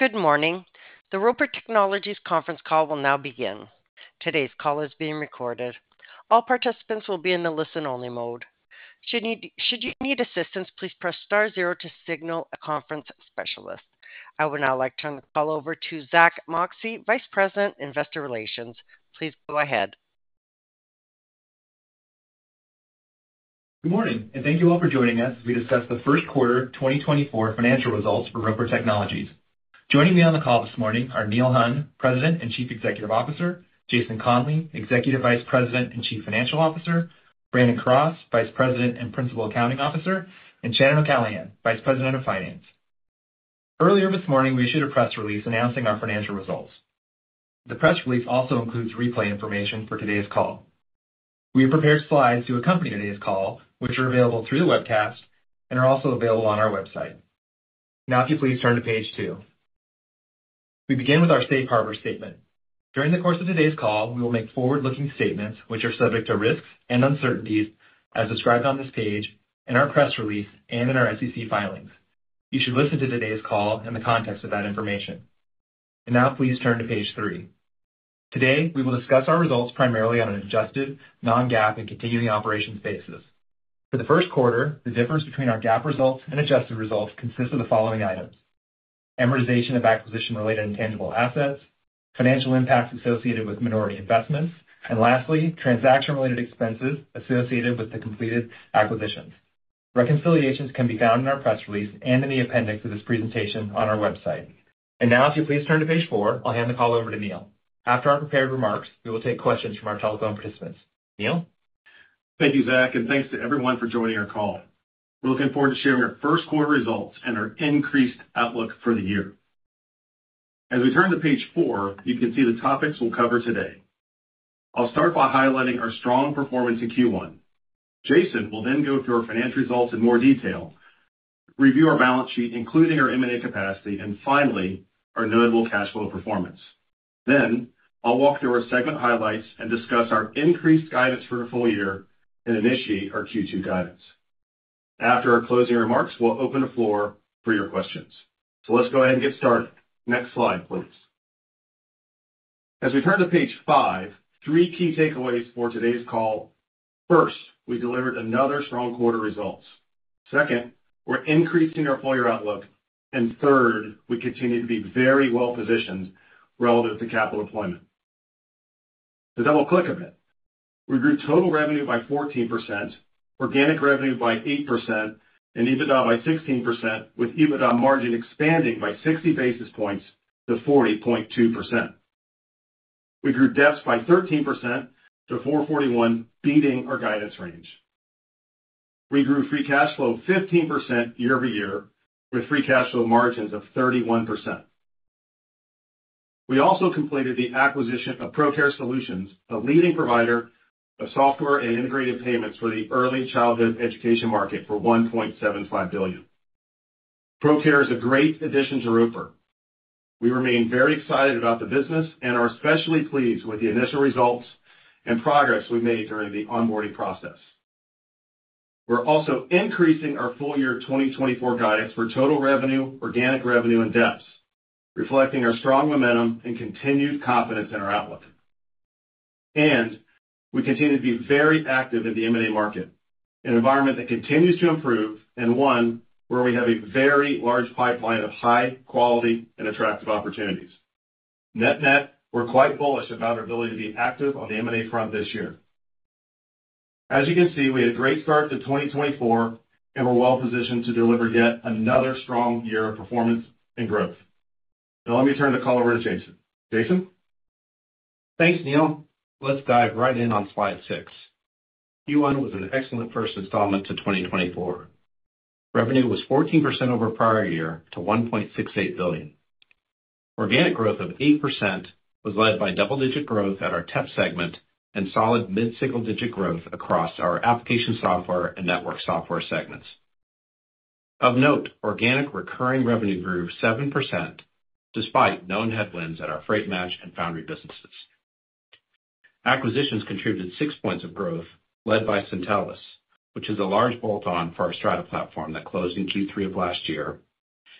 Good morning! The Roper Technologies conference call will now begin. Today's call is being recorded. All participants will be in the listen-only mode. Should you need assistance, p lease press star zero to signal a conference specialist. I would now like to turn the call over to Zack Moxcey, Vice President, Investor Relations. Please go ahead. Good morning, and thank you all for joining us as we discuss the first quarter of 2024 financial results for Roper Technologies. Joining me on the call this morning are Neil Hunn, President and Chief Executive Officer; Jason Conley, Executive Vice President and Chief Financial Officer; Brandon Cross, Vice President and Principal Accounting Officer; and Shannon O'Callaghan, Vice President of Finance. Earlier this morning, we issued a press release announcing our financial results. The press release also includes replay information for today's call. We have prepared slides to accompany today's call, which are available through the webcast and are also available on our website. Now, if you please turn to page two. We begin with our safe harbor statement. During the course of today's call, we will make forward-looking statements which are subject to risks and uncertainties as described on this page, in our press release, and in our SEC filings. You should listen to today's call in the context of that information. Now, please turn to page three. Today, we will discuss our results primarily on an adjusted non-GAAP and continuing operations basis. For the first quarter, the difference between our GAAP results and adjusted results consist of the following items: amortization of acquisition-related intangible assets, financial impacts associated with minority investments, and lastly, transaction-related expenses associated with the completed acquisitions. Reconciliations can be found in our press release and in the appendix of this presentation on our website. Now, if you please turn to page four, I'll hand the call over to Neil. After our prepared remarks, we will take questions from our telephone participants. Neil? Thank you, Zack, and thanks to everyone for joining our call. We're looking forward to sharing our first quarter results and our increased outlook for the year. As we turn to page four, you can see the topics we'll cover today. I'll start by highlighting our strong performance in Q1. Jason will then go through our financial results in more detail, review our balance sheet, including our M&A capacity, and finally, our notable cash flow performance. Then, I'll walk through our segment highlights and discuss our increased guidance for the full year and initiate our Q2 guidance. After our closing remarks, we'll open the floor for your questions. So let's go ahead and get started. Next slide, please. As we turn to page five, three key takeaways for today's call. First, we delivered another strong quarter results. Second, we're increasing our full-year outlook. And third, we continue to be very well-positioned relative to capital deployment. The double click of it. We grew total revenue by 14%, organic revenue by 8%, and EBITDA by 16%, with EBITDA margin expanding by 60 basis points to 40.2%. We grew DEPS by 13% to 441, beating our guidance range. We grew free cash flow 15% year-over-year, with free cash flow margins of 31%. We also completed the acquisition of Procare Solutions, a leading provider of software and integrated payments for the early childhood education market, for $1.75 billion. Procare is a great addition to Roper. We remain very excited about the business and are especially pleased with the initial results and progress we made during the onboarding process. We're also increasing our full year 2024 guidance for total revenue, organic revenue, and DEPS, reflecting our strong momentum and continued confidence in our outlook. We continue to be very active in the M&A market, an environment that continues to improve, and one where we have a very large pipeline of high quality and attractive opportunities. Net-net, we're quite bullish about our ability to be active on the M&A front this year. As you can see, we had a great start to 2024, and we're well-positioned to deliver yet another strong year of performance and growth. Now, let me turn the call over to Jason. Jason? Thanks, Neil. Let's dive right in on slide six. Q1 was an excellent first installment to 2024. Revenue was 14% over prior year to $1.68 billion. Organic growth of 8% was led by double-digit growth at our TEP segment and solid mid-single-digit growth across our application software and network software segments. Of note, organic recurring revenue grew 7%, despite known headwinds at our Freight match and Foundry businesses. Acquisitions contributed six points of growth, led by Syntellis, which is a large bolt-on for our Strata platform that closed in Q3 of last year,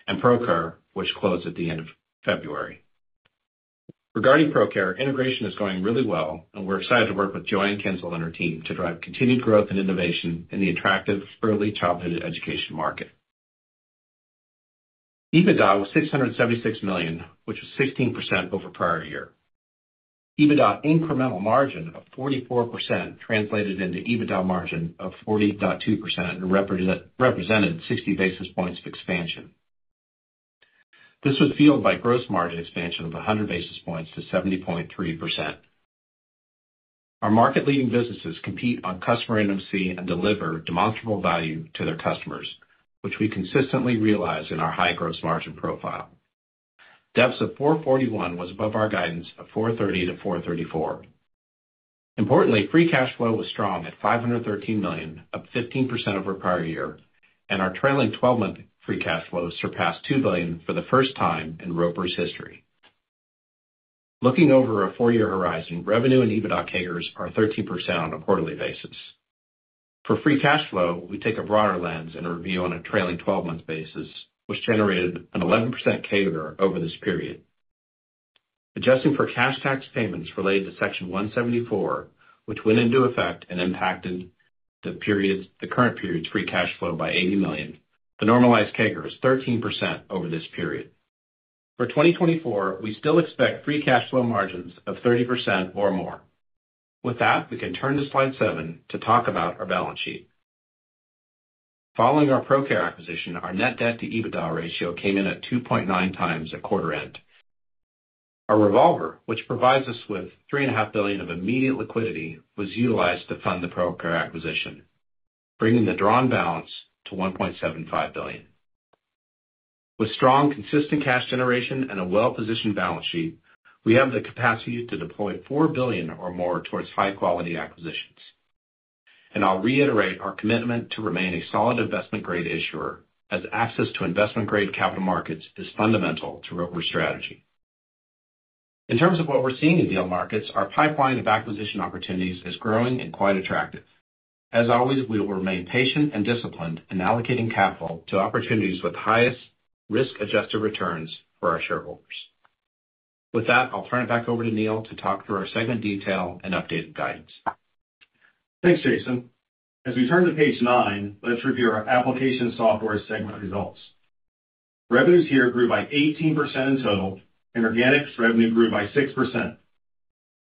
and Procare, which closed at the end of February. Regarding Procare, integration is going really well, and we're excited to work with JoAnn Kintzel and her team to drive continued growth and innovation in the attractive early childhood education market. EBITDA was $676 million, which was 16% over prior year. EBITDA incremental margin of 44% translated into EBITDA margin of 40.2% and represented 60 basis points of expansion. This was fueled by gross margin expansion of 100 basis points to 70.3%. Our market-leading businesses compete on customer NFC and deliver demonstrable value to their customers, which we consistently realize in our high gross margin profile. DEPS of $4.41 was above our guidance of $4.30-$4.34. Importantly, free cash flow was strong at $513 million, up 15% over prior year, and our trailing twelve-month free cash flow surpassed $2 billion for the first time in Roper's history. Looking over a fouryear horizon, revenue and EBITDA CAGRs are 13% on a quarterly basis. For free cash flow, we take a broader lens and a review on a trailing twelve-month basis, which generated an 11% CAGR over this period. Adjusting for cash tax payments related to Section 174, which went into effect and impacted the periods, the current period's free cash flow by $80 million, the normalized CAGR is 13% over this period. For 2024, we still expect free cash flow margins of 30% or more. With that, we can turn to slide seven to talk about our balance sheet. Following our Procare acquisition, our net debt to EBITDA ratio came in at 2.9x at quarter end. Our revolver, which provides us with $3.5 billion of immediate liquidity, was utilized to fund the Procare acquisition, bringing the drawn balance to $1.75 billion. With strong, consistent cash generation and a well-positioned balance sheet, we have the capacity to deploy $4 billion or more towards high-quality acquisitions. I'll reiterate our commitment to remain a solid investment-grade issuer, as access to investment-grade capital markets is fundamental to Roper strategy. In terms of what we're seeing in deal markets, our pipeline of acquisition opportunities is growing and quite attractive. As always, we will remain patient and disciplined in allocating capital to opportunities with highest risk-adjusted returns for our shareholders. With that, I'll turn it back over to Neil to talk through our segment detail and updated guidance. Thanks, Jason. As we turn to page nine, let's review our application software segment results. Revenues here grew by 18% in total, and organic revenue grew by 6%.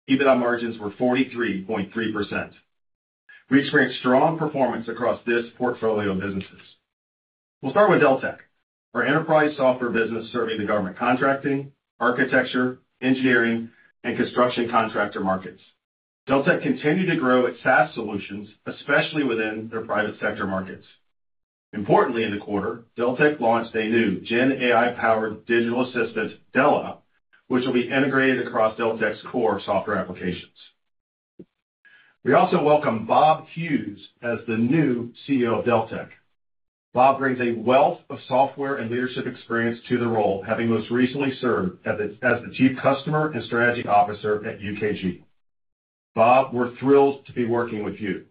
EBITDA margins were 43.3%. We experienced strong performance across this portfolio of businesses. We'll start with Deltek, our enterprise software business serving the government contracting, architecture, engineering, and construction contractor markets. Deltek continued to grow its SaaS solutions, especially within their private sector markets. Importantly, in the quarter, Deltek launched a new Gen AI-powered digital assistant, Dela, which will be integrated across Deltek's core software applications. We also welcome Bob Hughes as the new CEO of Deltek. Bob brings a wealth of software and leadership experience to the role, having most recently served as the Chief Customer and Strategy Officer at UKG. Bob, we're thrilled to be working with you.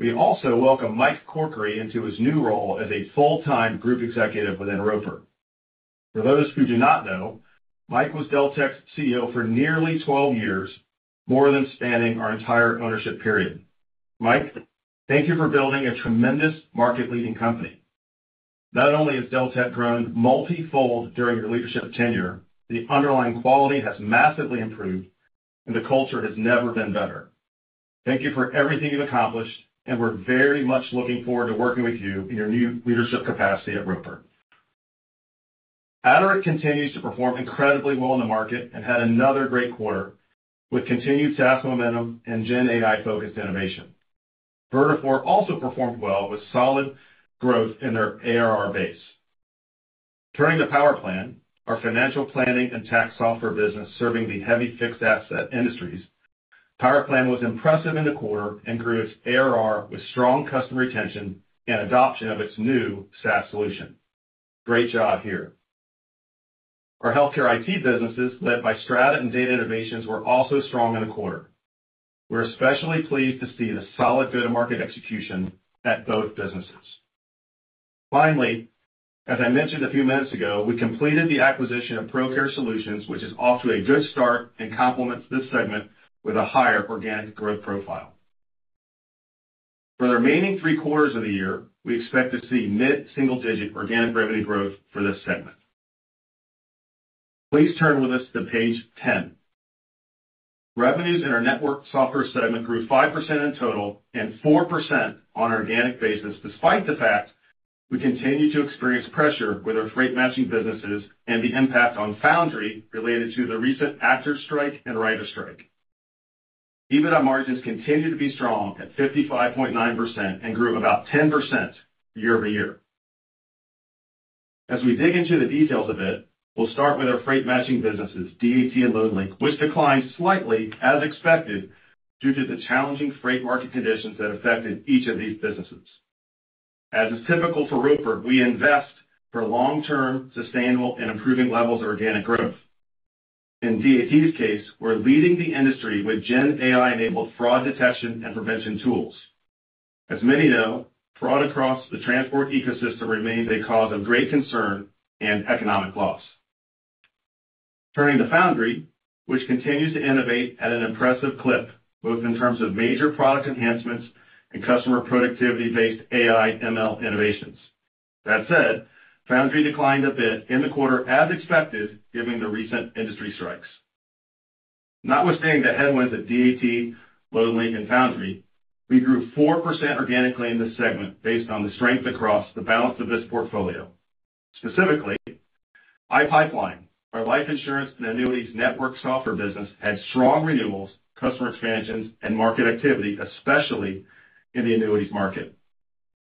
We also welcome Mike Corkery into his new role as a full-time group executive within Roper. For those who do not know, Mike was Deltek's CEO for nearly 12 years, more than spanning our entire ownership period. Mike, thank you for building a tremendous market-leading company. Not only has Deltek grown multifold during your leadership tenure, the underlying quality has massively improved, and the culture has never been better. Thank you for everything you've accomplished, and we're very much looking forward to working with you in your new leadership capacity at Roper. Aderant continues to perform incredibly well in the market and had another great quarter with continued SaaS momentum and Gen AI-focused innovation. Vertafore also performed well with solid growth in their ARR base. Turning to PowerPlan, our financial planning and tax software business, serving the heavy fixed asset industries. PowerPlan was impressive in the quarter and grew its ARR with strong customer retention and adoption of its new SaaS solution. Great job here. Our healthcare IT businesses, led by Strata and Data Innovations, were also strong in the quarter. We're especially pleased to see the solid go-to-market execution at both businesses. Finally, as I mentioned a few minutes ago, we completed the acquisition of Procare Solutions, which is off to a good start and complements this segment with a higher organic growth profile. For the remaining three quarters of the year, we expect to see mid-single-digit organic revenue growth for this segment. Please turn with us to page 10. Revenues in our network software segment grew 5% in total and 4% on an organic basis, despite the fact we continue to experience pressure with our freight matching businesses and the impact on The Foundry related to the recent actor strike and writer strike. EBITDA margins continued to be strong at 55.9% and grew about 10% year-over-year. As we dig into the details a bit, we'll start with our freight matching businesses, DAT and Loadlink, which declined slightly as expected, due to the challenging freight market conditions that affected each of these businesses. As is typical for Roper, we invest for long-term, sustainable, and improving levels of organic growth. In DAT's case, we're leading the industry with Gen AI-enabled fraud detection and prevention tools. As many know, fraud across the transport ecosystem remains a cause of great concern and economic loss. Turning to Foundry, which continues to innovate at an impressive clip, both in terms of major product enhancements and customer productivity-based AI ML innovations. That said, Foundry declined a bit in the quarter as expected, given the recent industry strikes. Notwithstanding the headwinds at DAT, Loadlink, and Foundry, we grew 4% organically in this segment based on the strength across the balance of this portfolio. Specifically, iPipeline, our life insurance and annuities network software business, had strong renewals, customer expansions, and market activity, especially in the annuities market.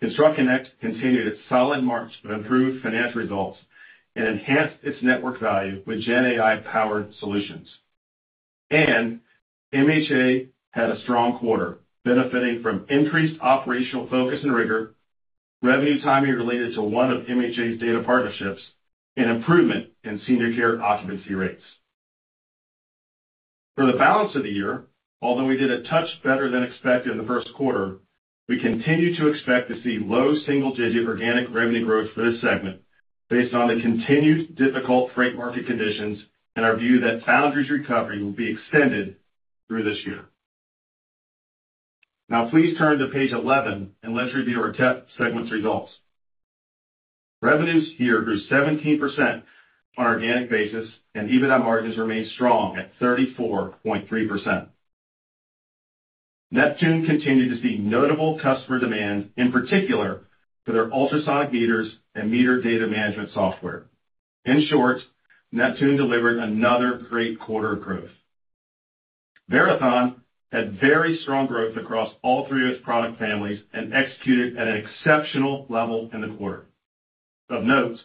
ConstructConnect continued its solid march of improved financial results and enhanced its network value with Gen AI-powered solutions. And MHA had a strong quarter, benefiting from increased operational focus and rigor, revenue timing related to one of MHA's data partnerships, and improvement in senior care occupancy rates. For the balance of the year, although we did a touch better than expected in the first quarter, we continue to expect to see low single-digit organic revenue growth for this segment based on the continued difficult freight market conditions and our view that Foundry's recovery will be extended through this year. Now please turn to page 11, and let's review our TEP segment's results. Revenues here grew 17% on an organic basis, and EBITDA margins remained strong at 34.3%. Neptune continued to see notable customer demand, in particular for their ultrasonic meters and meter data management software. In short, Neptune delivered another great quarter of growth. Verathon had very strong growth across all three of its product families and executed at an exceptional level in the quarter. Of note,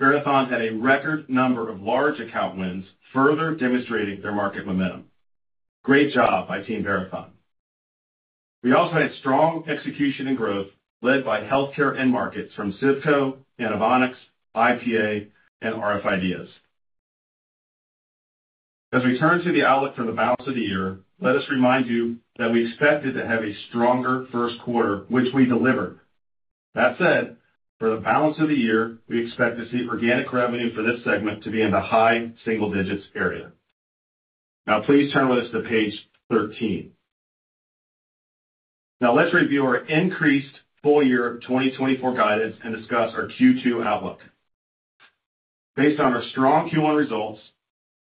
Verathon had a record number of large account wins, further demonstrating their market momentum. Great job by Team Verathon. We also had strong execution and growth led by healthcare end markets from CIVCO, Inovonics, IPA, and rf IDEAS. As we turn to the outlook for the balance of the year, let us remind you that we expected to have a stronger first quarter, which we delivered. That said, for the balance of the year, we expect to see organic revenue for this segment to be in the high single digits area. Now please turn with us to page 13. Now let's review our increased full year 2024 guidance and discuss our Q2 outlook. Based on our strong Q1 results,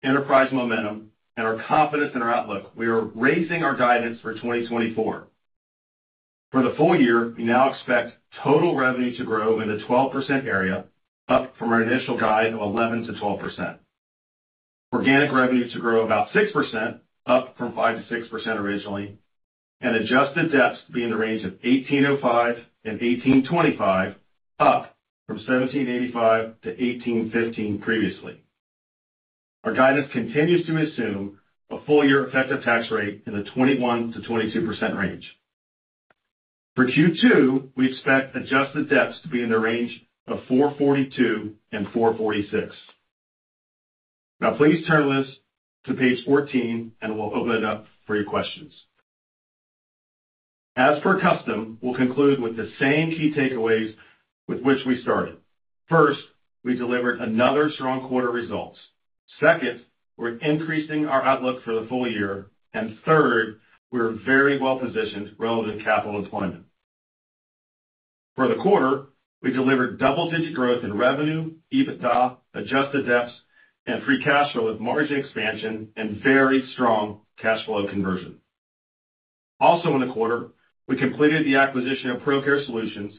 enterprise momentum, and our confidence in our outlook, we are raising our guidance for 2024. For the full year, we now expect total revenue to grow in the 12% area, up from our initial guide of 11%-12%. Organic revenue to grow about 6%, up from 5%-6% originally, and Adjusted DEPS be in the range of $18.05-$18.25, up from $17.85-$18.15 previously. Our guidance continues to assume a full year effective tax rate in the 21%-22% range. For Q2, we expect Adjusted DEPS to be in the range of $4.42-$4.46. Now please turn with us to page 14, and we'll open it up for your questions. As per custom, we'll conclude with the same key takeaways with which we started. First, we delivered another strong quarter results. Second, we're increasing our outlook for the full year. And third, we're very well positioned relative to capital deployment. For the quarter, we delivered double-digit growth in revenue, EBITDA, Adjusted DEPS, and free cash flow with margin expansion and very strong cash flow conversion. Also in the quarter, we completed the acquisition of Procare Solutions,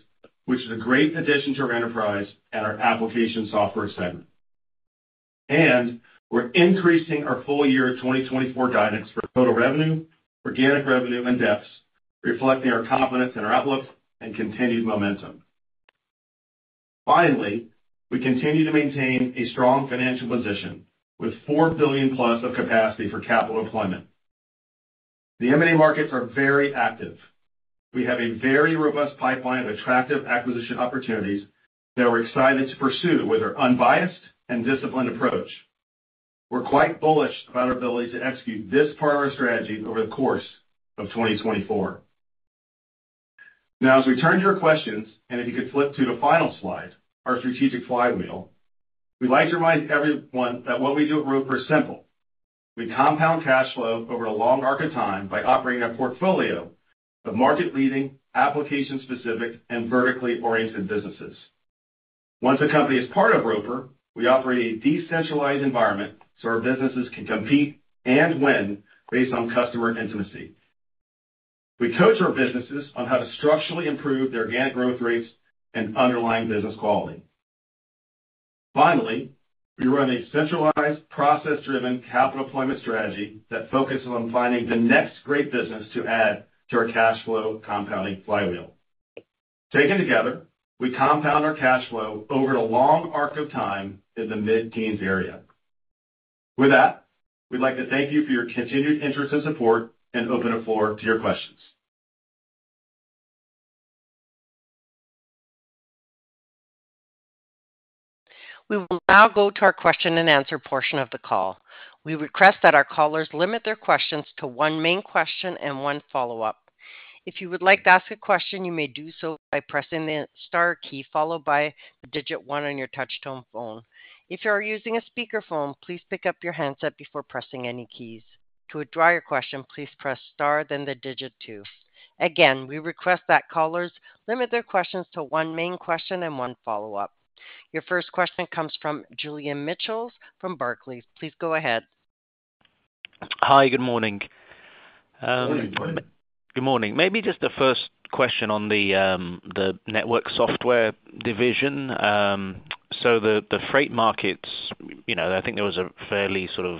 which is a great addition to our enterprise and our application software segment. We're increasing our full-year 2024 guidance for total revenue, organic revenue, and DEPS, reflecting our confidence in our outlook and continued momentum. Finally, we continue to maintain a strong financial position with $4 billion+ of capacity for capital deployment. The M&A markets are very active. We have a very robust pipeline of attractive acquisition opportunities that we're excited to pursue with our unbiased and disciplined approach. We're quite bullish about our ability to execute this part of our strategy over the course of 2024. Now, as we turn to your questions, and if you could flip to the final slide, our strategic flywheel, we'd like to remind everyone that what we do at Roper is simple. We compound cash flow over a long arc of time by operating a portfolio of market-leading, application-specific, and vertically oriented businesses. Once a company is part of Roper, we operate a decentralized environment so our businesses can compete and win based on customer intimacy. We coach our businesses on how to structurally improve their organic growth rates and underlying business quality. Finally, we run a centralized, process-driven capital deployment strategy that focuses on finding the next great business to add to our cash flow compounding flywheel. Taken together, we compound our cash flow over a long arc of time in the mid-teens area. With that, we'd like to thank you for your continued interest and support and open the floor to your questions. We will now go to our question-and-answer portion of the call. We request that our callers limit their questions to one main question and one follow-up. If you would like to ask a question, you may do so by pressing the star key, followed by the digit one on your touch-tone phone. If you are using a speakerphone, please pick up your handset before pressing any keys. To withdraw your question, please press star, then the digit two. Again, we request that callers limit their questions to one main question and one follow-up. Your first question comes from Julian Mitchell from Barclays. Please go ahead. Hi, good morning. Good morning. Good morning. Maybe just the first question on the network software division. So the freight markets, you know, I think there was a fairly sort of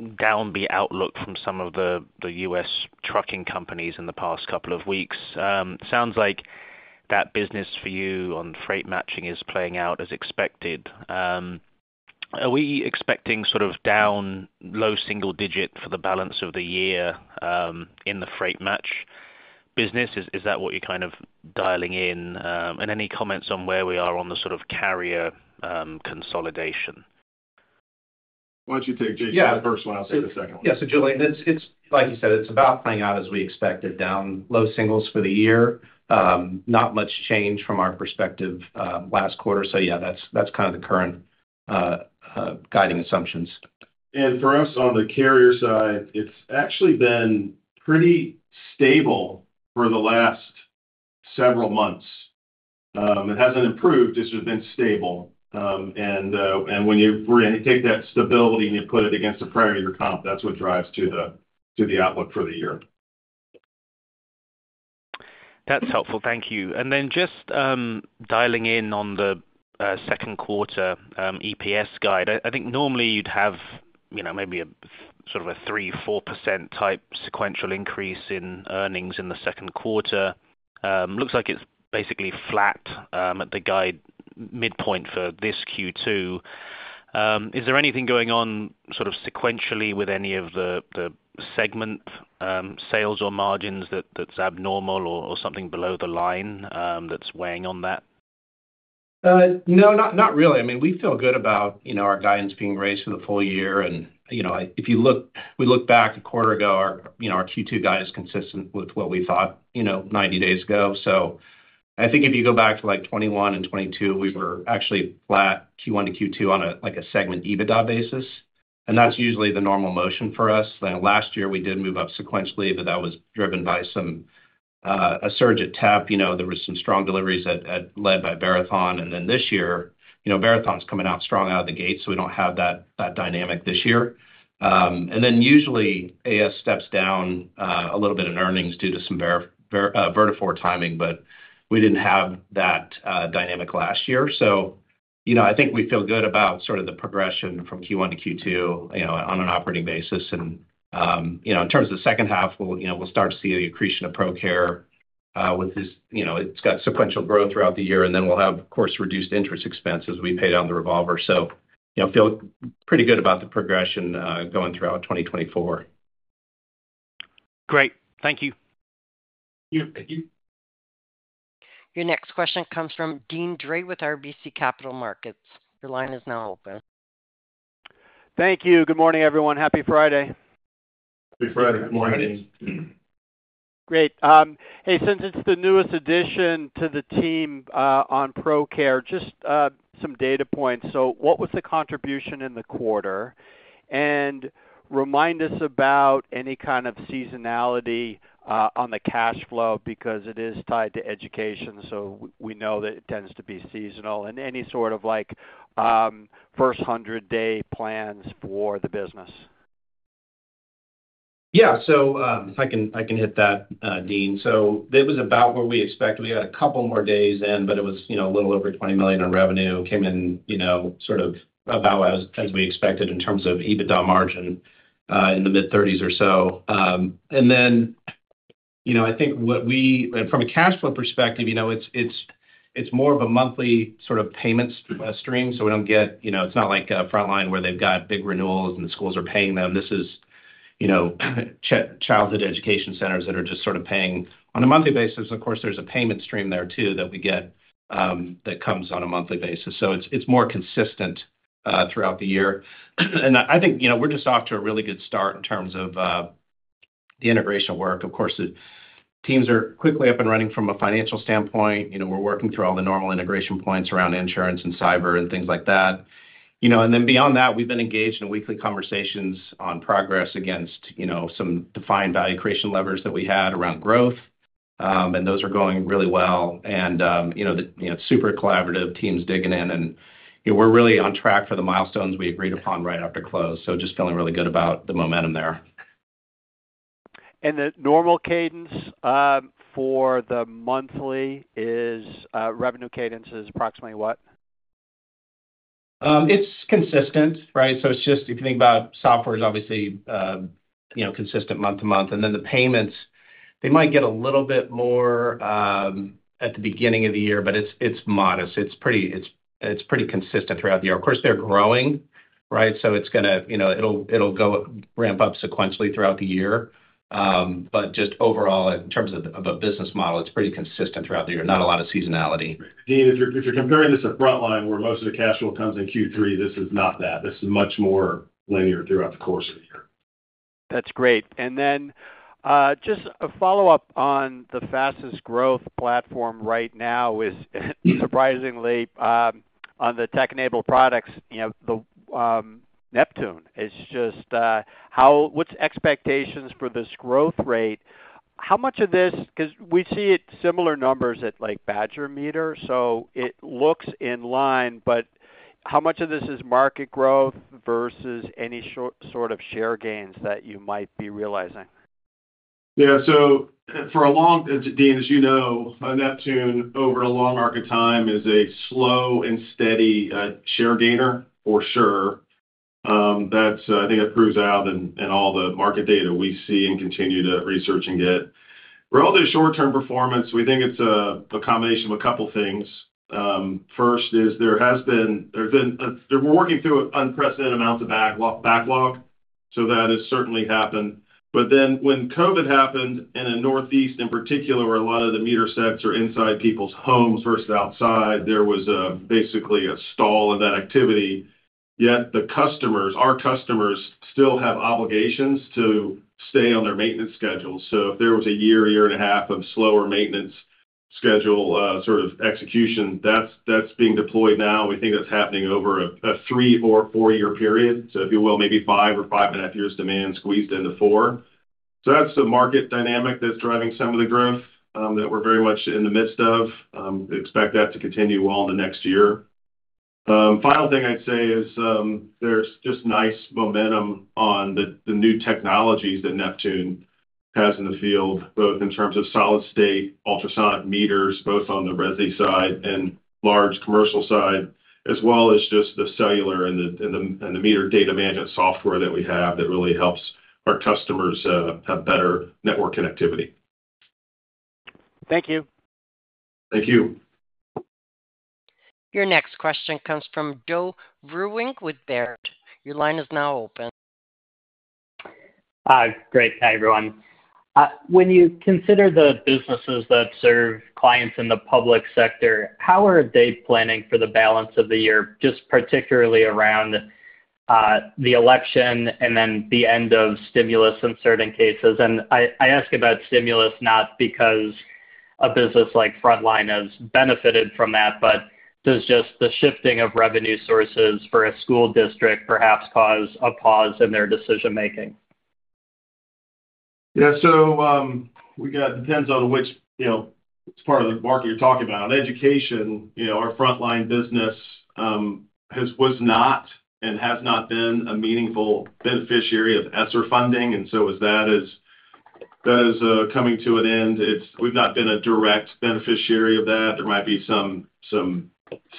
downbeat outlook from some of the U.S. trucking companies in the past couple of weeks. Sounds like- that business for you on freight matching is playing out as expected. Are we expecting sort of down low single digit for the balance of the year, in the freight match business? Is that what you're kind of dialing in? And any comments on where we are on the sort of carrier consolidation? Why don't you take Jason first one, I'll take the second one. Yeah. So Julian, it's like you said, it's about playing out as we expected, down low singles for the year. Not much change from our perspective, last quarter. So yeah, that's kind of the current guiding assumptions. For us, on the carrier side, it's actually been pretty stable for the last several months. It hasn't improved, it's just been stable. When you really take that stability and you put it against the prior year comp, that's what drives to the outlook for the year. That's helpful. Thank you. Then just dialing in on the second quarter EPS guide. I think normally you'd have, you know, maybe a sort of a 3%-4% type sequential increase in earnings in the second quarter. Looks like it's basically flat at the guide midpoint for this Q2. Is there anything going on, sort of sequentially with any of the segment sales or margins that's abnormal or something below the line that's weighing on that? No, not really. I mean, we feel good about, you know, our guidance being raised for the full year. And, you know, if you look, we look back a quarter ago, our, you know, our Q2 guide is consistent with what we thought, you know, 90 days ago. So I think if you go back to, like, 2021 and 2022, we were actually flat Q1 to Q2 on a, like, a segment EBITDA basis, and that's usually the normal motion for us. Then last year, we did move up sequentially, but that was driven by some, a surge at TEP. You know, there were some strong deliveries that led by Verathon, and then this year, you know, Verathon's coming out strong out of the gate, so we don't have that dynamic this year. And then usually, AS steps down a little bit in earnings due to some Vertafore timing, but we didn't have that dynamic last year. So, you know, I think we feel good about sort of the progression from Q1 to Q2, you know, on an operating basis. And, you know, in terms of the second half, we'll, you know, we'll start to see the accretion of Procare, with this... You know, it's got sequential growth throughout the year, and then we'll have, of course, reduced interest expense as we pay down the revolver. So, you know, feel pretty good about the progression going throughout 2024. Great. Thank you. Thank you. Thank you. Your next question comes from Deane Dray with RBC Capital Markets. Your line is now open. Thank you. Good morning, everyone. Happy Friday. Happy Friday. Good morning. Good morning. Great. Hey, since it's the newest addition to the team, on Procare, just some data points. So what was the contribution in the quarter? And remind us about any kind of seasonality on the cash flow, because it is tied to education, so we know that it tends to be seasonal. And any sort of, like, first 100-day plans for the business. Yeah. So, I can hit that, Deane. So it was about where we expected. We had a couple more days in, but it was, you know, a little over $20 million in revenue. Came in, you know, sort of about as we expected in terms of EBITDA margin in the mid 30 or so. And then, you know, I think what we from a cash flow perspective, you know, it's more of a monthly sort of payment stream, so we don't get. You know, it's not like Frontline, where they've got big renewals and schools are paying them. This is, you know, childhood education centers that are just sort of paying on a monthly basis. Of course, there's a payment stream there, too, that we get that comes on a monthly basis. It's more consistent throughout the year. I think, you know, we're just off to a really good start in terms of the integration work. Of course, the teams are quickly up and running from a financial standpoint. You know, we're working through all the normal integration points around insurance and cyber and things like that. You know, and then beyond that, we've been engaged in weekly conversations on progress against, you know, some defined value creation levers that we had around growth, and those are going really well. You know, the super collaborative teams digging in, and, you know, we're really on track for the milestones we agreed upon right after close. Just feeling really good about the momentum there. The normal cadence for the monthly is revenue cadence is approximately what? It's consistent, right? So it's just if you think about software is obviously, you know, consistent month to month. And then the payments, they might get a little bit more at the beginning of the year, but it's modest. It's pretty consistent throughout the year. Of course, they're growing, right? So it's gonna. You know, it'll go ramp up sequentially throughout the year. But just overall, in terms of a business model, it's pretty consistent throughout the year. Not a lot of seasonality. Deane, if you're comparing this to Frontline, where most of the cash flow comes in Q3, this is not that. This is much more linear throughout the course of the year. That's great. Then, just a follow-up on the fastest growth platform right now is surprisingly on the tech-enabled products, you know, the Neptune. It's just how... what's expectations for this growth rate? How much of this. 'Cause we see it similar numbers at, like, Badger Meter, so it looks in line, but how much of this is market growth versus any sort of share gains that you might be realizing? Yeah, so for a long, Deane, as you know, Neptune, over a long arc of time, is a slow and steady share gainer for sure. That's, I think that proves out in all the market data we see and continue to research and get. Relative short-term performance, we think it's a combination of a couple things. First is there has been there's been a they're working through unprecedented amounts of backlog, so that has certainly happened. But then, when COVID happened, and in Northeast in particular, where a lot of the meter sets are inside people's homes versus outside, there was basically a stall in that activity. Yet the customers, our customers, still have obligations to stay on their maintenance schedule. So if there was a year, a year and a half years of slower maintenance schedule, sort of execution, that's, that's being deployed now. We think that's happening over a three or four year period. So if you will, maybe five or five years demand squeezed into four. So that's the market dynamic that's driving some of the growth, that we're very much in the midst of. Expect that to continue well into next year. Final thing I'd say is, there's just nice momentum on the new technologies that Neptune has in the field, both in terms of solid-state, ultrasonic meters, both on the resi side and large commercial side, as well as just the cellular and the meter data management software that we have that really helps our customers have better network connectivity. Thank you. Thank you. Your next question comes from Joe Vruwink with Baird. Your line is now open. Hi. Great. Hi, everyone. When you consider the businesses that serve clients in the public sector, how are they planning for the balance of the year, just particularly around the election and then the end of stimulus in certain cases? I ask about stimulus not because a business like Frontline has benefited from that, but does just the shifting of revenue sources for a school district perhaps cause a pause in their decision-making? Yeah. So, it depends on which, you know, part of the market you're talking about. Education, you know, our Frontline business was not and has not been a meaningful beneficiary of ESSER funding, and so as that is coming to an end, we've not been a direct beneficiary of that. There might be some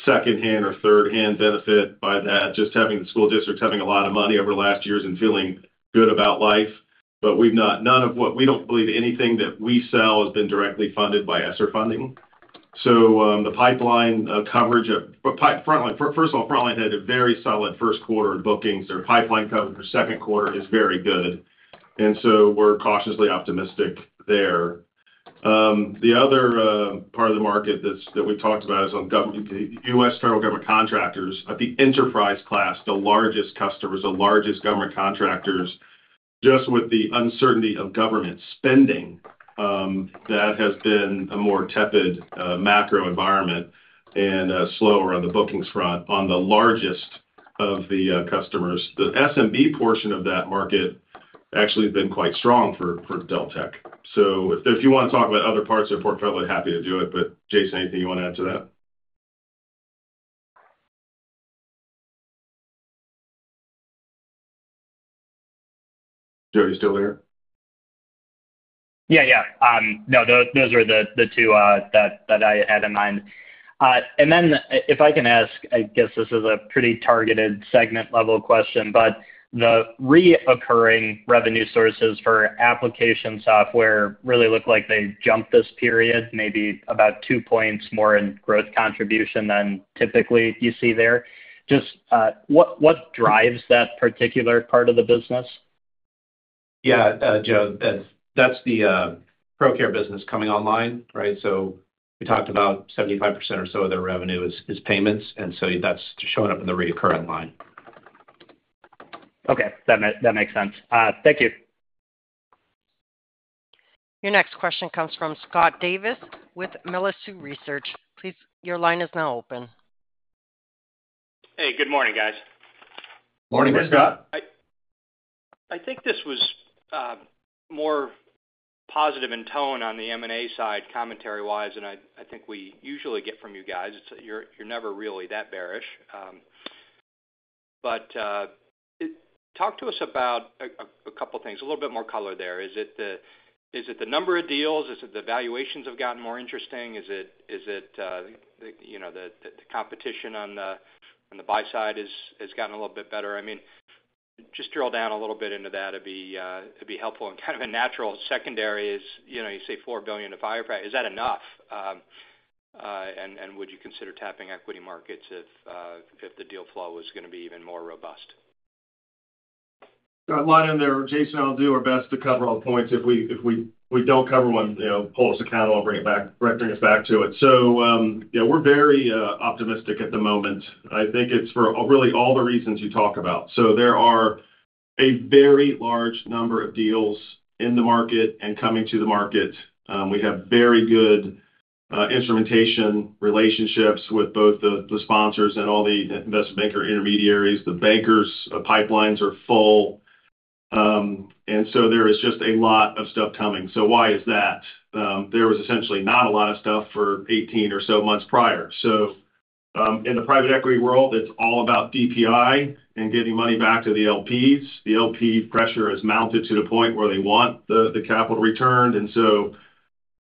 secondhand or thirdhand benefit by that, just having the school districts having a lot of money over the last years and feeling good about life. But we don't believe anything that we sell has been directly funded by ESSER funding. So, the pipeline coverage for Frontline. First of all, Frontline had a very solid first quarter of bookings. Their pipeline coverage for second quarter is very good, and so we're cautiously optimistic there. The other part of the market that we've talked about is on government, the U.S. federal government contractors at the enterprise class, the largest customers, the largest government contractors. Just with the uncertainty of government spending, that has been a more tepid macro environment and slower on the bookings front on the largest of the customers. The SMB portion of that market actually has been quite strong for Deltek. So if you want to talk about other parts of the report, probably happy to do it, but Jason, anything you want to add to that? Joe, are you still there? Yeah, yeah. No, those are the two that I had in mind. And then if I can ask, I guess this is a pretty targeted segment-level question, but the recurring revenue sources for application software really look like they jumped this period, maybe about two points more in growth contribution than typically you see there. Just, what drives that particular part of the business? Yeah, Joe, that's the ProCare business coming online, right? So we talked about 75% or so of their revenue is payments, and so that's showing up in the recurring line. Okay. That makes sense. Thank you. Your next question comes from Scott Davis with Melius Research. Please, your line is now open. Hey, good morning, guys. Morning, Scott. Morning. I think this was more positive in tone on the M&A side, commentary-wise, than I think we usually get from you guys. It's- you're never really that bearish. But talk to us about a couple things, a little bit more color there. Is it the number of deals? Is it the valuations have gotten more interesting? Is it, you know, the competition on the buy side has gotten a little bit better? I mean, just drill down a little bit into that, it'd be helpful. And kind of a natural secondary is, you know, you say $4 billion-$5 billion price. Is that enough? And would you consider tapping equity markets if the deal flow was gonna be even more robust? Got a lot in there. Jason and I will do our best to cover all the points. If we don't cover one, you know, hold us accountable, I'll bring it back, bring us back to it. Yeah, we're very optimistic at the moment. I think it's for really all the reasons you talk about. There are a very large number of deals in the market and coming to the market. We have very good relationships with both the sponsors and all the investment banker intermediaries. The bankers' pipelines are full. And so there is just a lot of stuff coming. Why is that? There was essentially not a lot of stuff for 18 or so months prior. In the private equity world, it's all about DPI and getting money back to the LPs. The LP pressure has mounted to the point where they want the capital returned, and so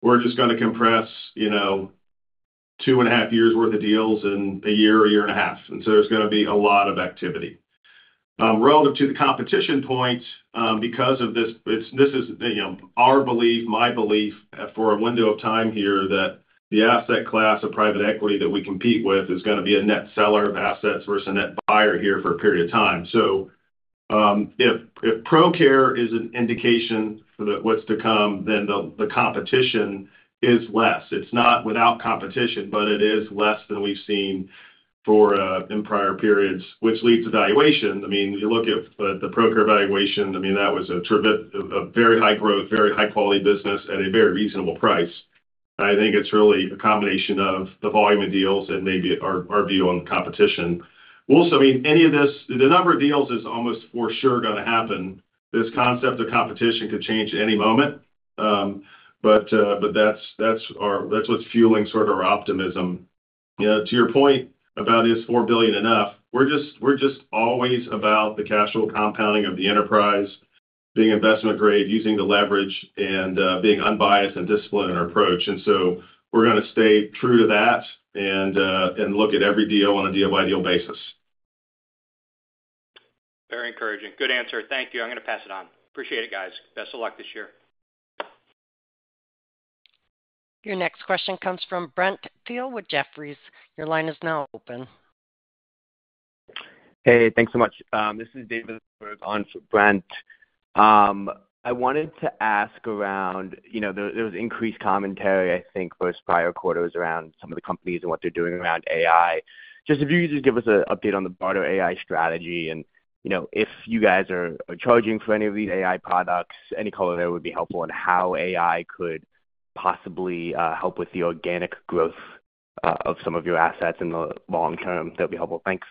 we're just gonna compress, you know, two and a half years' worth of deals in a year, a year and a half, and so there's gonna be a lot of activity. Relative to the competition point, because of this, it's this is, you know, our belief, my belief for a window of time here, that the asset class of private equity that we compete with is gonna be a net seller of assets versus a net buyer here for a period of time. So, if Procare is an indication for what's to come, then the competition is less. It's not without competition, but it is less than we've seen in prior periods, which leads to valuation. I mean, you look at the Procare valuation. I mean, that was a very high growth, very high-quality business at a very reasonable price. I think it's really a combination of the volume of deals and maybe our view on competition. Also, I mean, any of this, the number of deals is almost for sure gonna happen. This concept of competition could change any moment, but that's our, that's what's fueling sort of our optimism. You know, to your point about, is $4 billion enough? We're just always about the cash flow compounding of the enterprise, being investment grade, using the leverage, and being unbiased and disciplined in our approach. And so we're gonna stay true to that and look at every deal on a deal-by-deal basis. Very encouraging. Good answer. Thank you. I'm gonna pass it on. Appreciate it, guys. Best of luck this year. Your next question comes from Brent Thill with Jefferies. Your line is now open. Hey, thanks so much. This is David on for Brent. I wanted to ask around, you know, there, there was increased commentary, I think, versus prior quarters around some of the companies and what they're doing around AI. Just if you could just give us an update on the broader AI strategy and, you know, if you guys are, are charging for any of these AI products, any color there would be helpful, and how AI could possibly help with the organic growth of some of your assets in the long term, that'd be helpful. Thanks.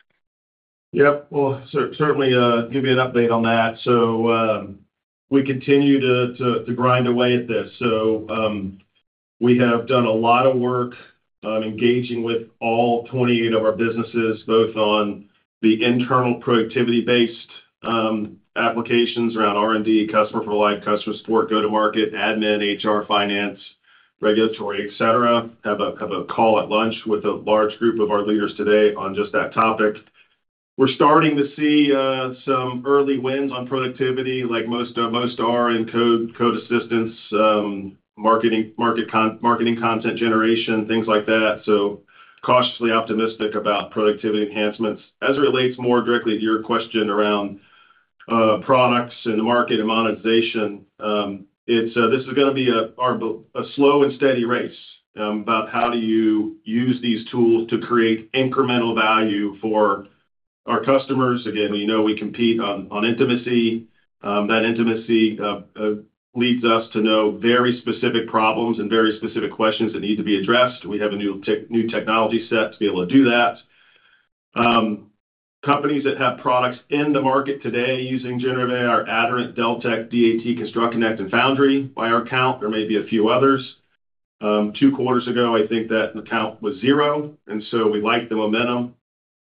Yep. Well, certainly give you an update on that. So, we continue to grind away at this. We have done a lot of work, engaging with all 28 of our businesses, both on the internal productivity-based applications around R&D, customer for life, customer support, go-to-market, admin, HR, finance, regulatory, et cetera. Have a call at lunch with a large group of our leaders today on just that topic. We're starting to see some early wins on productivity, like most are in code assistance, marketing content generation, things like that, so cautiously optimistic about productivity enhancements. As it relates more directly to your question around products and the market and monetization, it's gonna be a slow and steady race about how do you use these tools to create incremental value for our customers. Again, we know we compete on intimacy. That intimacy leads us to know very specific problems and very specific questions that need to be addressed. We have a new technology set to be able to do that. Companies that have products in the market today using Generative AI are Aderant, Deltek, DAT, ConstructConnect, and Foundry. By our count, there may be a few others. Two quarters ago, I think that the count was zero, and so we like the momentum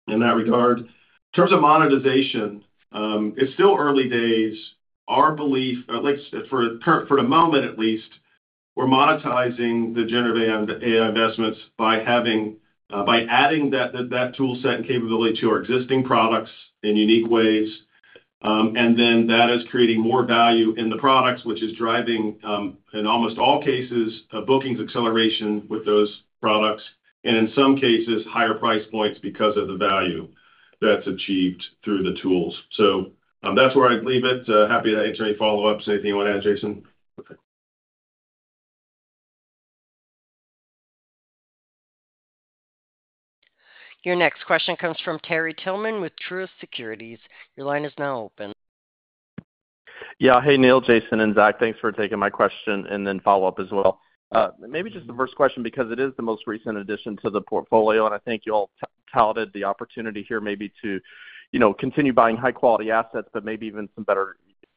in that regard. In terms of monetization, it's still early days. Our belief, at least for the moment at least, we're monetizing the Generative AI and AI investments by adding that toolset and capability to our existing products in unique ways. And then that is creating more value in the products, which is driving, in almost all cases, a bookings acceleration with those products, and in some cases, higher price points because of the value that's achieved through the tools. So, that's where I'd leave it. Happy to answer any follow-ups. Anything you wanna add, Jason? Your next question comes from Terry Tillman with Truist Securities. Your line is now open. Yeah. Hey, Neil, Jason, and Zack. Thanks for taking my question and then follow up as well. Maybe just the first question, because it is the most recent addition to the portfolio, and I think you all touted the opportunity here maybe to, you know, continue buying high-quality assets, but maybe even some better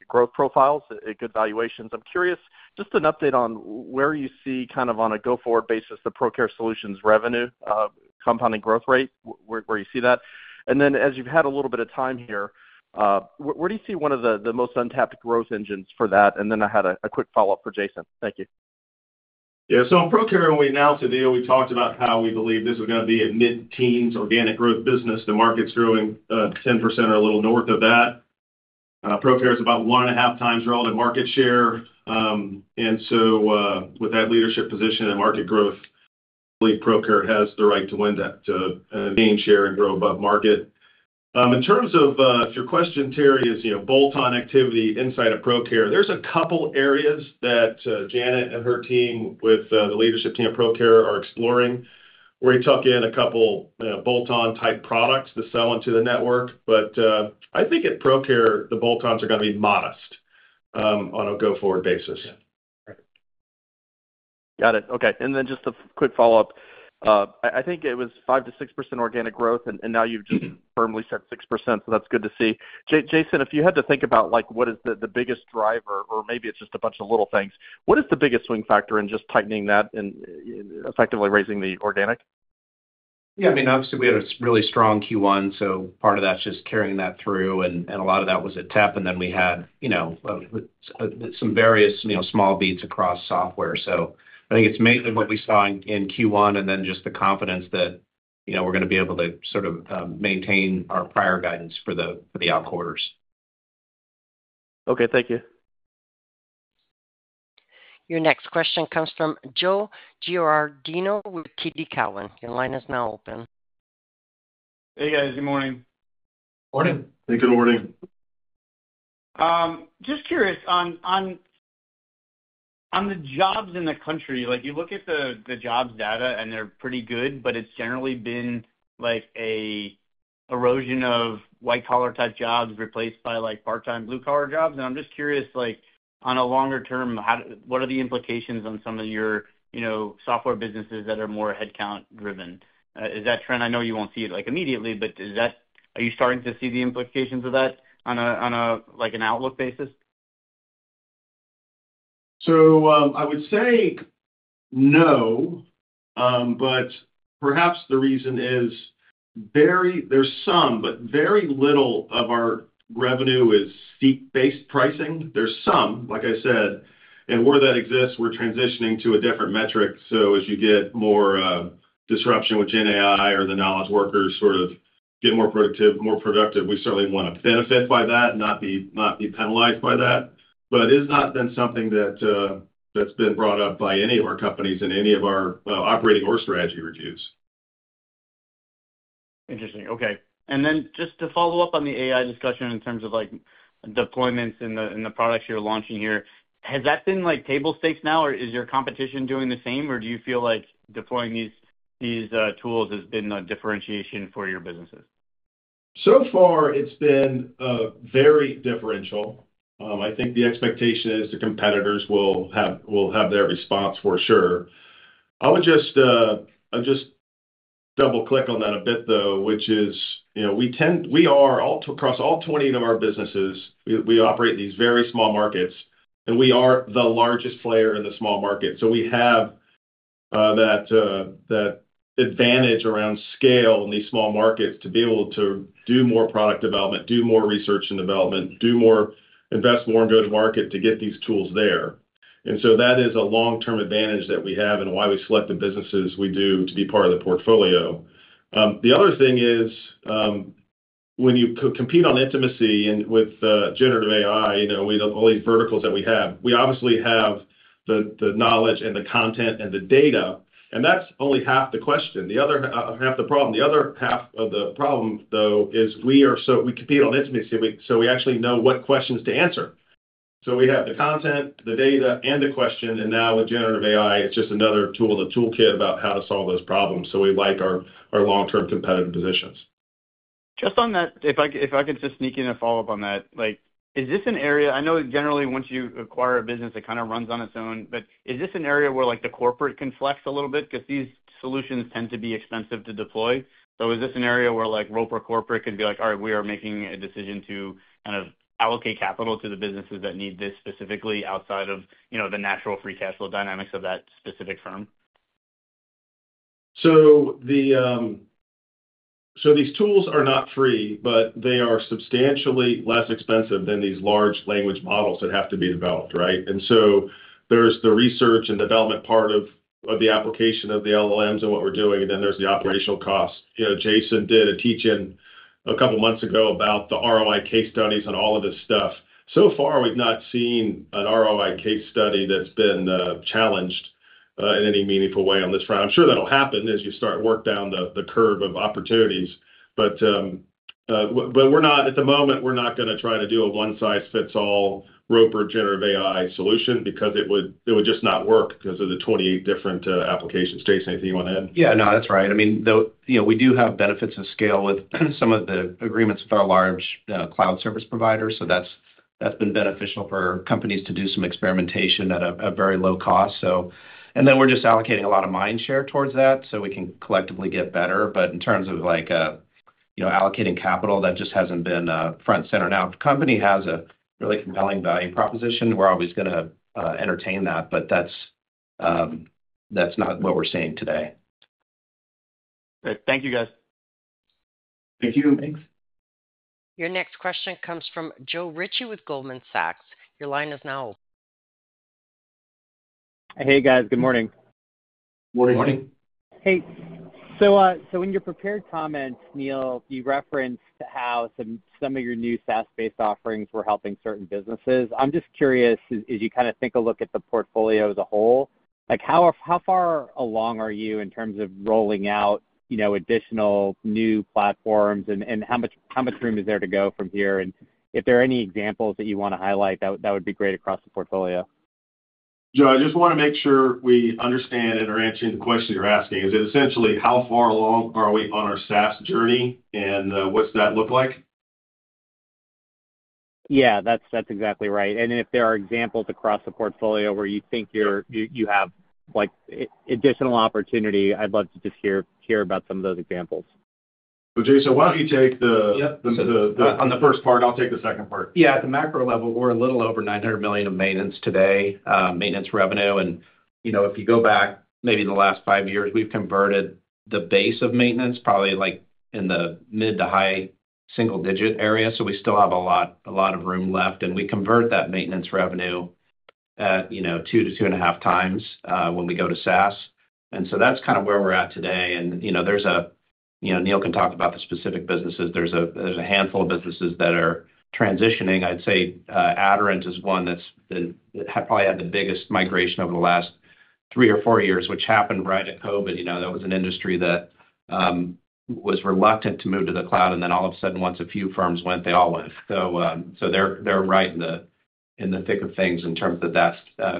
growth profiles at good valuations. I'm curious, just an update on where you see, kind of on a go-forward basis, the Procare Solutions revenue, compounding growth rate, where you see that? And then, as you've had a little bit of time here, where do you see one of the most untapped growth engines for that? And then I had a quick follow-up for Jason. Thank you. Yeah. So on Procare, when we announced the deal, we talked about how we believe this is gonna be a mid-teens organic growth business. The market's growing, 10% or a little north of that. Procare is about 1.5x relevant market share. And so, with that leadership position and market growth, I believe Procare has the right to win that, to, gain share and grow above market. In terms of, if your question, Terry, is, you know, bolt-on activity inside of Procare, there's a couple areas that, Janet and her team, with, the leadership team at Procare, are exploring, where you tuck in a couple, bolt-on type products to sell into the network. But, I think at Procare, the bolt-ons are gonna be modest, on a go-forward basis. Got it. Okay. And then just a quick follow-up. I think it was 5%-6% organic growth, and now you've just firmly said 6%, so that's good to see. Jason, if you had to think about, like, what is the biggest driver, or maybe it's just a bunch of little things, what is the biggest swing factor in just tightening that and effectively raising the organic? Yeah, I mean, obviously, we had a really strong Q1, so part of that's just carrying that through, and a lot of that was at TEP. And then we had, you know, some various, you know, small beats across software. So I think it's mainly what we saw in Q1, and then just the confidence that, you know, we're gonna be able to sort of maintain our prior guidance for the out quarters. Okay, thank you. Your next question comes from Joe Giordano with TD Cowen. Your line is now open. Hey, guys. Good morning. Morning. Hey, good morning. Just curious, on the jobs in the country, like, you look at the jobs data, and they're pretty good, but it's generally been like an erosion of white-collar type jobs replaced by, like, part-time blue-collar jobs. And I'm just curious, like, on a longer term, how what are the implications on some of your, you know, software businesses that are more headcount driven? Is that trend. I know you won't see it, like, immediately, but is that are you starting to see the implications of that on a, like, an outlook basis? So, I would say no, but perhaps the reason is there's some, but very little of our revenue is seat-based pricing. There's some, like I said, and where that exists, we're transitioning to a different metric. So as you get more disruption with gen AI or the knowledge workers sort of get more productive, more productive, we certainly wanna benefit by that, not be, not be penalized by that. But it has not been something that, that's been brought up by any of our companies in any of our operating or strategy reviews. Interesting. Okay, and then just to follow up on the AI discussion in terms of, like, deployments in the, in the products you're launching here, has that been like table stakes now, or is your competition doing the same, or do you feel like deploying these tools has been a differentiation for your businesses? So far it's been very differential. I think the expectation is the competitors will have, will have their response for sure. I would just, I'll just double-click on that a bit, though, which is, you know, we are all across all 20 of our businesses, we operate these very small markets, and we are the largest player in the small market. So we have that advantage around scale in these small markets to be able to do more product development, do more research and development, invest more in go-to-market to get these tools there. And so that is a long-term advantage that we have and why we select the businesses we do to be part of the portfolio. The other thing is, when you co-compete on intimacy and with generative AI, you know, with all these verticals that we have, we obviously have the knowledge and the content and the data, and that's only half the question, the other half of the problem. The other half of the problem, though, is we compete on intimacy, so we actually know what questions to answer. So we have the content, the data, and the question, and now with Generative AI, it's just another tool in the toolkit about how to solve those problems. So we like our long-term competitive positions. Just on that, if I, if I could just sneak in a follow-up on that, like, is this an area. I know generally once you acquire a business, it kind of runs on its own, but is this an area where, like, the corporate can flex a little bit? Because these solutions tend to be expensive to deploy. So is this an area where, like, Roper corporate could be like, "All right, we are making a decision to kind of allocate capital to the businesses that need this specifically outside of, you know, the natural free cash flow dynamics of that specific firm? So the, so these tools are not free, but they are substantially less expensive than these large language models that have to be developed, right? And so there's the research and development part of the application of the LLMs and what we're doing, and then there's the operational cost. You know, Jason did a teach-in a couple of months ago about the ROI case studies and all of this stuff. So far, we've not seen an ROI case study that's been challenged in any meaningful way on this front. I'm sure that'll happen as you start to work down the curve of opportunities, but but we're not at the moment, we're not gonna try to do a one-size-fits-all Roper Generative AI solution because it would, it would just not work because of the 28 different applications. Jason, anything you want to add? Yeah, no, that's right. I mean, though, you know, we do have benefits of scale with some of the agreements with our large cloud service providers, so that's, that's been beneficial for companies to do some experimentation at a very low cost. So. And then we're just allocating a lot of mind share towards that, so we can collectively get better. But in terms of like, you know, allocating capital, that just hasn't been front and center. Now, if the company has a really compelling value proposition, we're always gonna entertain that, but that's not what we're seeing today. Great. Thank you, guys. Thank you. Thanks. Your next question comes from Joe Ritchie with Goldman Sachs. Your line is now open. Hey, guys. Good morning. Morning. Morning. Hey. So, in your prepared comments, Neil, you referenced how some of your new SaaS-based offerings were helping certain businesses. I'm just curious, as you kind of take a look at the portfolio as a whole, like, how far along are you in terms of rolling out, you know, additional new platforms? And, how much room is there to go from here? And if there are any examples that you wanna highlight, that would be great across the portfolio. Joe, I just wanna make sure we understand and are answering the question you're asking. Is it essentially how far along are we on our SaaS journey, and, what's that look like? Yeah, that's exactly right. And if there are examples across the portfolio where you think you're—you have, like, additional opportunity, I'd love to just hear about some of those examples. So Jason, why don't you take the Yep. The, the- On the first part, I'll take the second part. Yeah, at the macro level, we're a little over $900 million of maintenance today, maintenance revenue. And, you know, if you go back maybe in the last five years, we've converted the base of maintenance, probably, like, in the mid- to high-single-digit area. So we still have a lot, a lot of room left, and we convert that maintenance revenue at, you know, two to 2.5x, when we go to SaaS. And so that's kind of where we're at today. And, you know, there's a. You know, Neil can talk about the specific businesses. There's a handful of businesses that are transitioning. I'd say, Aderant is one that's been. Probably had the biggest migration over the last three or four years, which happened right at COVID. You know, that was an industry that was reluctant to move to the cloud, and then all of a sudden, once a few firms went, they all went. So, so they're right in the thick of things in terms of that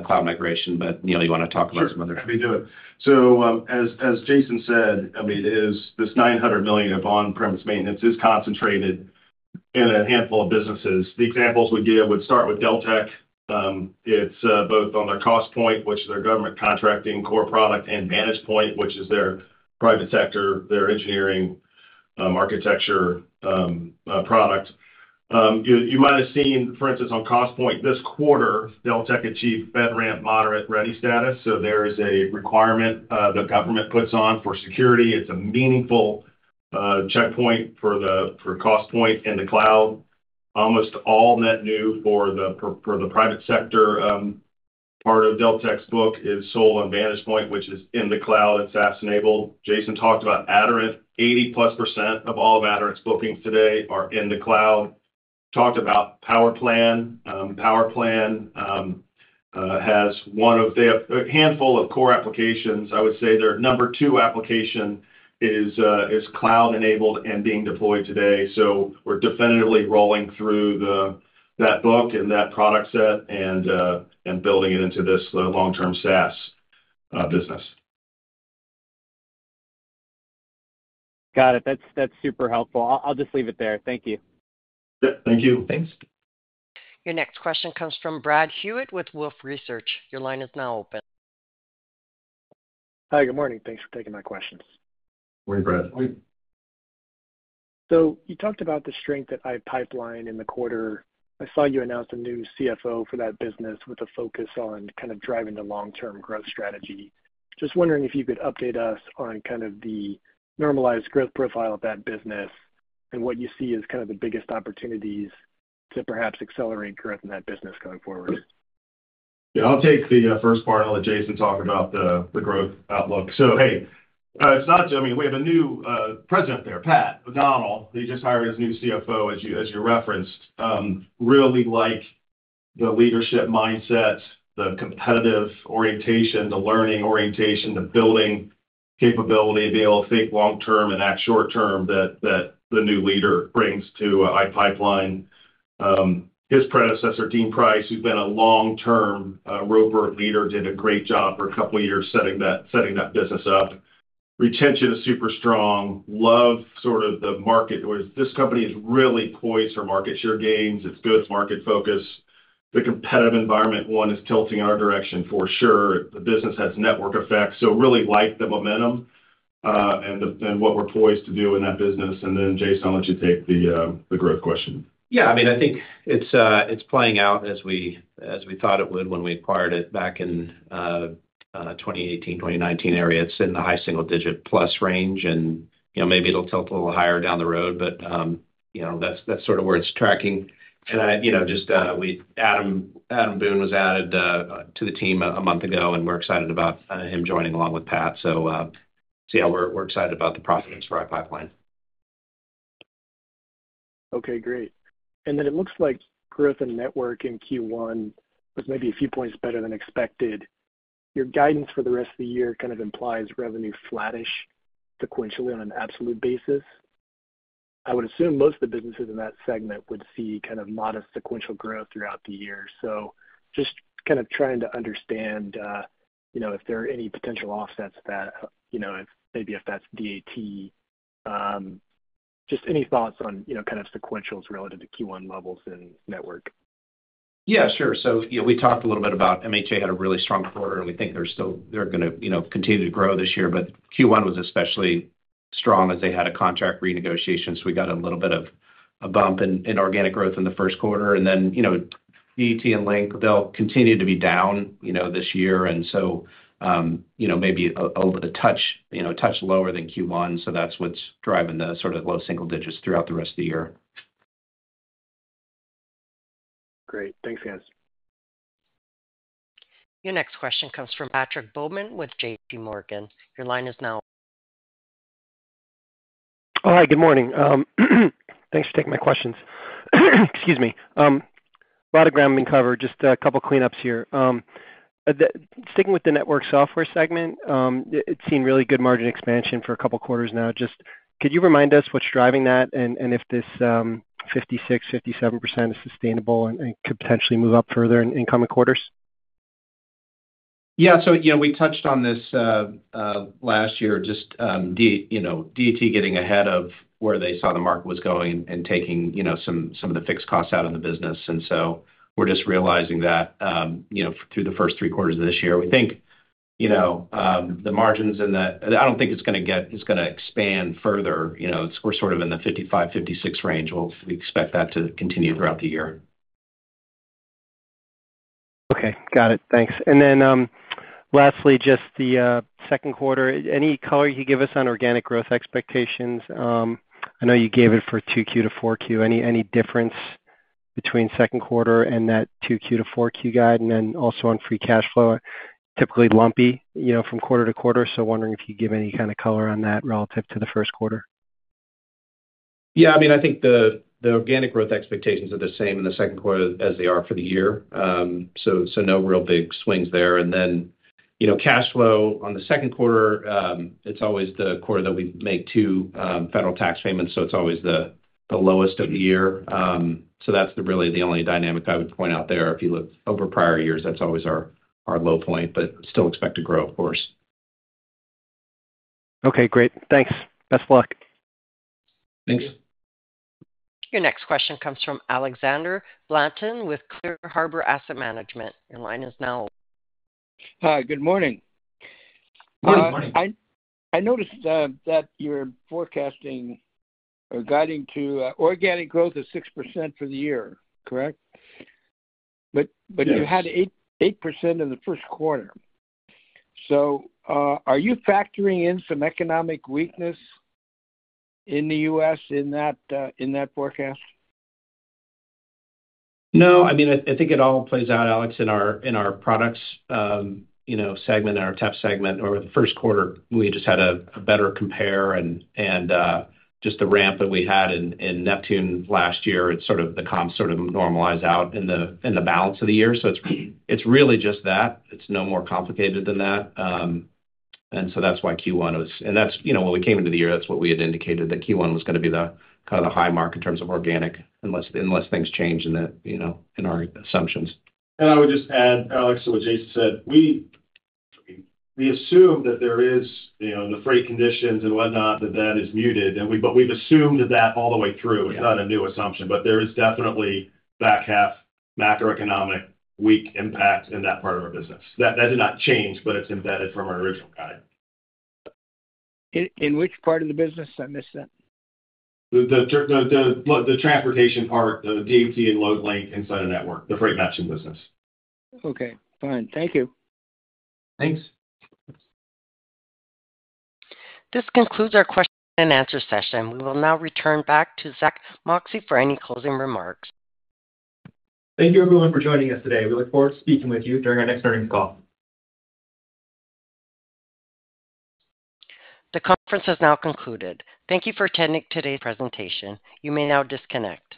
cloud migration. But, Neil, you wanna talk about some other? Sure, let me do it. So, as Jason said, I mean, it is this $900 million of on-premise maintenance is concentrated in a handful of businesses. The examples we give would start with Deltek. It's both on their Costpoint, which is their government contracting core product, and Vantagepoint, which is their private sector, their engineering, architecture product. You might have seen, for instance, on Costpoint this quarter, Deltek achieved FedRAMP moderate ready status. So there is a requirement the government puts on for security. It's a meaningful checkpoint for Costpoint in the cloud. Almost all net new for the private sector part of Deltek's book is sold on Vantagepoint, which is in the cloud, it's SaaS-enabled. Jason talked about Aderant. 80%+ of all of Aderant's bookings today are in the cloud. Talked about PowerPlan. PowerPlan has one of... They have a handful of core applications. I would say their number two application is cloud-enabled and being deployed today. So we're definitively rolling through that book and that product set and building it into this long-term SaaS business. Got it. That's, that's super helpful. I'll, I'll just leave it there. Thank you. Yep, thank you. Thanks. Your next question comes from Brad Hewitt with Wolfe Research. Your line is now open. Hi, good morning. Thanks for taking my questions. Morning, Brad. Morning. So you talked about the strength at iPipeline in the quarter. I saw you announce a new CFO for that business with a focus on kind of driving the long-term growth strategy. Just wondering if you could update us on kind of the normalized growth profile of that business and what you see as kind of the biggest opportunities to perhaps accelerate growth in that business going forward. Yeah, I'll take the first part, and I'll let Jason talk about the growth outlook. So, hey, it's not—I mean, we have a new president there, Pat O'Donnell. He just hired his new CFO, as you referenced. Really like the leadership mindset, the competitive orientation, the learning orientation, the building capability, and being able to think long term and act short term, that the new leader brings to iPipeline. His predecessor, Deane Price, who's been a long-term Roper leader, did a great job for a couple of years setting that business up. Retention is super strong. Love sort of the market, whereas this company is really poised for market share gains. It's good market focus. The competitive environment, one, is tilting in our direction for sure. The business has network effects, so really like the momentum, and what we're poised to do in that business. And then, Jason, I'll let you take the growth question. Yeah, I mean, I think it's playing out as we thought it would when we acquired it back in 2018, 2019 era. It's in the high single digit plus range, and, you know, maybe it'll tilt a little higher down the road, but, you know, that's where it's tracking. And I. You know, just, Adam Boone was added to the team a month ago, and we're excited about him joining along with Pat. So, yeah, we're excited about the prospects for iPipeline. Okay, great. And then it looks like growth in network in Q1 was maybe a few points better than expected. Your guidance for the rest of the year kind of implies revenue flattish sequentially on an absolute basis. I would assume most of the businesses in that segment would see kind of modest sequential growth throughout the year. So just kind of trying to understand, you know, if there are any potential offsets that, you know, if maybe if that's DAT. Just any thoughts on, you know, kind of sequentials relative to Q1 levels in network? Yeah, sure. So, you know, we talked a little bit about MHA had a really strong quarter, and we think they're still they're gonna, you know, continue to grow this year. But Q1 was especially strong as they had a contract renegotiation, so we got a little bit of a bump in organic growth in the first quarter. And then, you know, DAT and Loadlink, they'll continue to be down, you know, this year. And so, you know, maybe overall, you know, touch lower than Q1. So that's what's driving the sort of low single digits throughout the rest of the year. Great. Thanks, guys. Your next question comes from Patrick Baumann with J.P. Morgan. Your line is now- Oh, hi, good morning. Thanks for taking my questions. Excuse me. A lot of ground being covered. Just a couple cleanups here. Sticking with the network software segment, it's seen really good margin expansion for a couple of quarters now. Just, could you remind us what's driving that? And, and if this 56%-57% is sustainable and, and could potentially move up further in coming quarters? Yeah. So, you know, we touched on this last year, just, you know, DAT getting ahead of where they saw the market was going and taking, you know, some, some of the fixed costs out of the business. And so we're just realizing that, you know, through the first three quarters of this year. We think you know, the margins and the- I don't think it's gonna get-- it's gonna expand further. You know, we're sort of in the 55%-56% range. We expect that to continue throughout the year. Okay, got it. Thanks. And then, lastly, just the second quarter. Any color you could give us on organic growth expectations? I know you gave it for 2Q to 4Q. Any difference between second quarter and that 2Q to 4Q guide, and then also on free cash flow, typically lumpy, you know, from quarter to quarter, so wondering if you could give any kind of color on that relative to the first quarter. Yeah, I mean, I think the organic growth expectations are the same in the second quarter as they are for the year. So, no real big swings there. And then, you know, cash flow on the second quarter, it's always the quarter that we make two federal tax payments, so it's always the lowest of the year. So that's really the only dynamic I would point out there. If you look over prior years, that's always our low point, but still expect to grow, of course. Okay, great. Thanks. Best of luck. Thanks. Your next question comes from Alexander Blanton with Clear Harbor Asset Management. Your line is now- Hi, good morning. Good morning. I noticed that you're forecasting or guiding to organic growth of 6% for the year, correct? Yes. But you had 8% in the first quarter. So, are you factoring in some economic weakness in the U.S. in that forecast? No, I mean, I think it all plays out, Alex, in our products, you know, segment, in our TEP segment. Over the first quarter, we just had a better compare and just the ramp that we had in Neptune last year, it's sort of the comp, sort of normalize out in the balance of the year. So it's really just that. It's no more complicated than that. And so that's why Q1 was. And that's, you know, when we came into the year, that's what we had indicated, that Q1 was gonna be the kind of the high mark in terms of organic, unless things change in the, you know, in our assumptions. I would just add, Alex, to what Jason said, we assume that there is, you know, the freight conditions and whatnot, that is muted, and we, but we've assumed that all the way through. It's not a new assumption, but there is definitely back half macroeconomic weak impact in that part of our business. That did not change, but it's embedded from our original guide. In which part of the business? I missed that. The transportation part, the DAT and Loadlink inside of network, the freight matching business. Okay, fine. Thank you. Thanks. This concludes our question and answer session. We will now return back to Zack Moxcey for any closing remarks. Thank you everyone for joining us today. We look forward to speaking with you during our next earnings call. The conference has now concluded. Thank you for attending today's presentation. You may now disconnect.